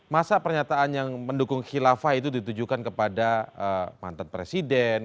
masa pernyataan yang mendukung khilafah itu ditujukan kepada mantan presiden